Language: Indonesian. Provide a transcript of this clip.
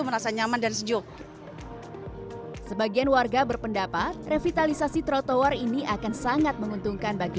lanjut sebagian warga berpendapat revitalisasi trotoar ini akan sangat menguntungkan bagi